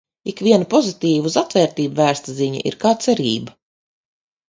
Ikviena pozitīva, uz atvērtību vērsta ziņa ir kā cerība.